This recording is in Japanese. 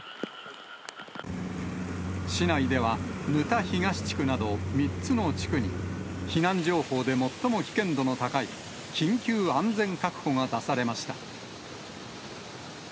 市内では、沼田東地区など３つの地区に、避難情報で最も危険度の高い緊急安全確保が出されました。